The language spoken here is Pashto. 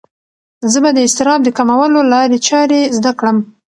زه به د اضطراب د کمولو لارې چارې زده کړم.